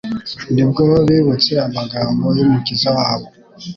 ni bwo bibutse amagambo y'Umukiza wabo,